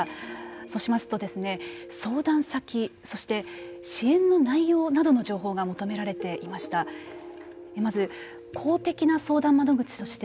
そうしますと相談先、そして支援の内容などの情報が求められていました。